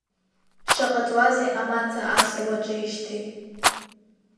Шаҟа ҵуазеи амаца асра уаҿижьҭеи?